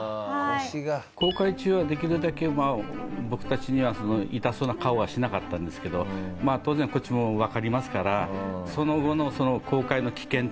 航海中はできるだけ僕たちには痛そうな顔はしなかったんですけど当然こっちもわかりますから。